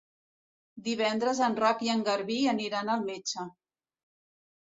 Divendres en Roc i en Garbí aniran al metge.